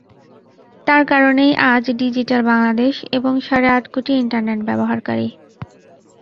তাঁর কারণেই আজ ডিজিটাল বাংলাদেশ এবং সাড়ে আট কোটি ইন্টারনেট ব্যবহারকারী।